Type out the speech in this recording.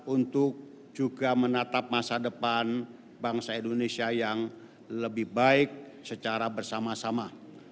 untuk juga menatap masa depan bangsa indonesia yang lebih baik secara bersama sama